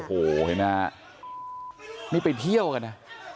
โหเห็นมั้ยไม่ไปเที่ยวกันนะ